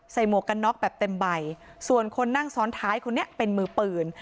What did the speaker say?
หมวกกันน็อกแบบเต็มใบส่วนคนนั่งซ้อนท้ายคนนี้เป็นมือปืน